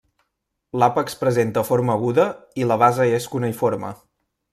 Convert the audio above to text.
L'àpex presenta forma aguda i la base és cuneïforme.